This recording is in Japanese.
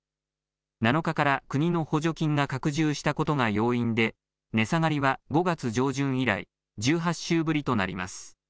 ７日から国の補助金が拡充したことが要因で、値下がりは５月上旬以来、１８週ぶりとなります。